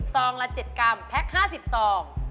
ซองละ๗กรัมแพ็ค๕๐ซอง